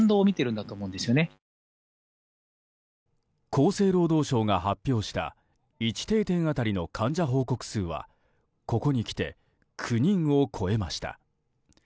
厚生労働省が発表した１定点当たりの患者報告数はここにきて９人を超えました。